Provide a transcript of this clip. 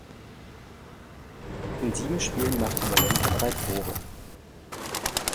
In sieben Spielen machte Valenta drei Tore.